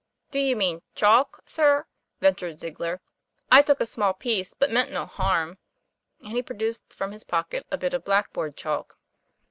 "Do you mean chalk, sir?" ventured Ziegler. "I took a small piece, but meant no harm," and he produced from his pocket a bit of black board chalk.